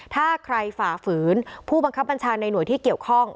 ถ้าใครฝ่าฝืนผู้บังคับบัญชาในหน่วยที่เกี่ยวข้อง